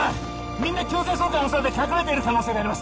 みんな強制送還を恐れて隠れている可能性があります